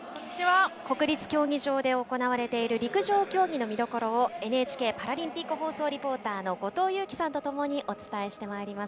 国立競技場で行われている陸上競技の見どころをＮＨＫパラリンピック放送リポーターの後藤佑季さんとともにお伝えしてまいります。